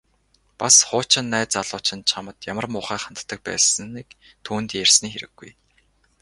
Бас хуучин найз залуу чинь чамд ямар муухай ханддаг байсныг түүнд ярьсны хэрэггүй.